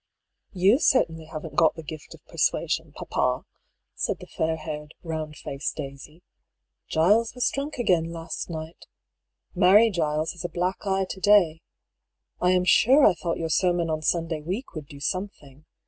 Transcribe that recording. "You certainly haven't got the gift of persuasion, papa," said the fair haired, round faced Daisy. " Giles AN INITIAL LETTER. 21 was drunk again last night. Mary Giles has a black eye to day. I am sure I thought your sermon on Sunday week would do something.